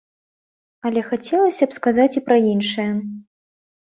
Але хацелася б сказаць і пра іншае.